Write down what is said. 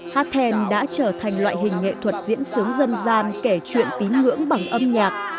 hát then đã trở thành loại hình nghệ thuật diễn xướng dân gian kể chuyện tín ngưỡng bằng âm nhạc